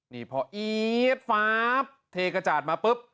นี่พออี๊ดฟ้าบเทกระจาดมาปุ๊บ